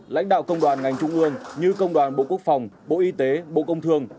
lãnh đạo công đoàn ngành trung ương như công đoàn bộ quốc phòng bộ y tế bộ công thương